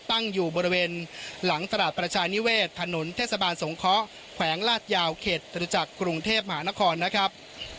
ตั้งอยู่บริเวณหลังตลาดประชานิเวศถนนเทศบาลสงเคราะห์แขวงลาดยาวเขตจตุจักรกรุงเทพมหานครนะครับ